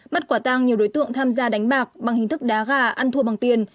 bắt quả tang nhiều đối tượng tham gia đánh bạc bằng hình thức đá gà ăn thua bằng tiền